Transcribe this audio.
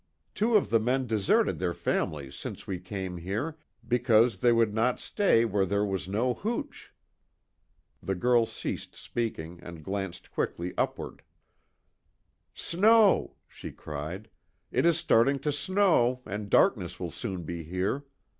Two of the men deserted their families since we came here, because they would not stay where there was no hooch." The girl ceased speaking and glanced quickly upward: "Snow!" she cried, "It is starting to snow, and darkness will soon be here.